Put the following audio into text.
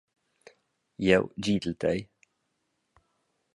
Jeu gidel tei.